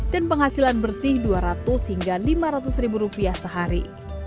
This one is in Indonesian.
dan penghasilan bersih dua ratus hingga lima ratus ribu rupiah sehari